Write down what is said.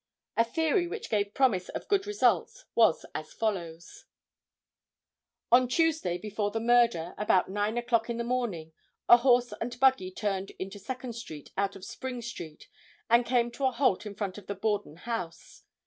A theory which gave promise of good results was as follows: On Tuesday before the murder, about 9 o'clock in the morning, a horse and buggy turned into Second street out of Spring street, and came to a halt in front of the Borden House.